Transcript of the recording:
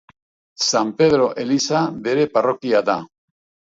San Pedro eliza bere parrokia da.